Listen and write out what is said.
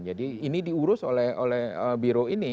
jadi ini diurus oleh biroh ini